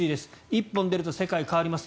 一本出ると世界変わります。